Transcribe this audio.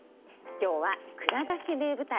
今日は「蔵出し！名舞台」。